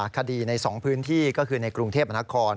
คดีใน๒พื้นที่ก็คือในกรุงเทพมนาคม